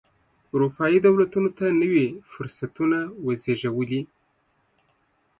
اروپايي دولتونو ته نوي فرصتونه وزېږولې.